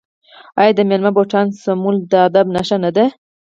آیا د میلمه بوټان سمول د ادب نښه نه ده؟